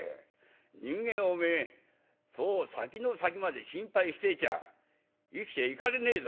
人間おめえそう先の先まで心配していちゃ生きていかれねえぞ。